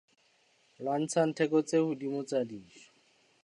Lwantshang theko tse hodimo tsa dijo.